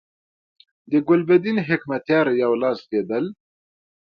د ګلبدین حکمتیار یو لاس کېدل.